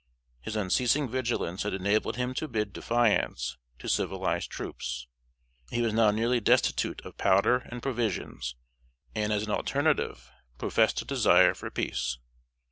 His unceasing vigilance had enabled him to bid defiance to civilized troops. He was now nearly destitute of powder and provisions, and, as an alternative, professed a desire for peace.